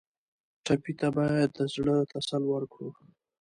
ټپي ته باید د زړه تسل ورکړو.